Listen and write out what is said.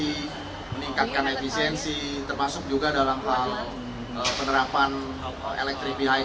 meningkatkan efisiensi termasuk juga dalam hal penerapan elektrik bihaikel